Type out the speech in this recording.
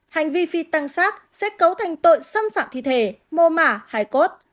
hành vi phi tang sát sẽ cấu thành tội xâm phạm thi thể mô mả hái cốt